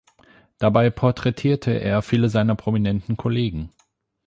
Dabei porträtierte er viele seiner prominenten Kollegen.